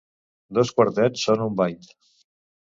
Dos quartets són un byte.